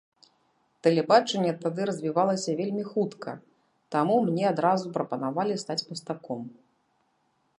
Тэлебачанне тады развівалася вельмі хутка, таму мне адразу прапанавалі стаць мастаком.